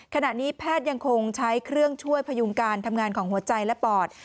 ขณะนี้แพทย์ยังคงใช้เครื่องช่วยพยุงการทำงานของหัวใจและปอด